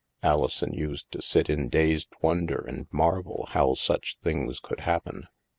Alison used to sit in dazed wonder and marvel how such things could happen.